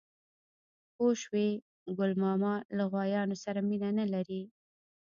_پوه شوې؟ ګل ماما له غوايانو سره مينه نه لري.